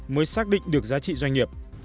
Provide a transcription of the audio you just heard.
mới xác định được giá trị doanh nghiệp